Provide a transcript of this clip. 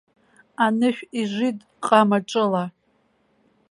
Анышә ижит ҟама ҿыла.